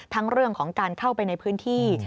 เรื่องของการเข้าไปในพื้นที่